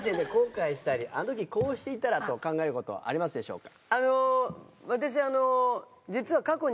あの時こうしていたらと考えることありますでしょうか？